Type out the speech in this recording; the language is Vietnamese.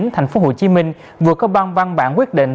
thành phố hồ chí minh vừa có băng băng bản quyết định